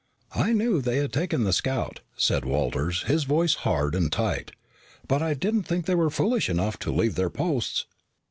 "I knew they had taken the scout," said Walters, his voice hard and tight. "But I didn't think they were foolish enough to leave their posts."